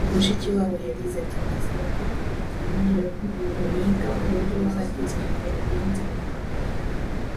Mushikiwabo yagize ati “Ndabasaba kwita ku masomo ngiro mwiga uburyo buzateza imbere ubuhinzi mu Rwanda